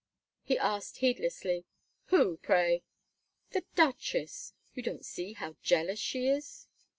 He asked heedlessly: "Who, pray?" "The Duchess! You don't see how jealous she is."